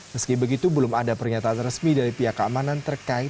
meski begitu belum ada pernyataan resmi dari pihak keamanan terkait